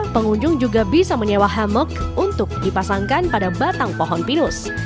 pengunjung juga bisa menyewa hamok untuk dipasangkan pada batang pohon pinus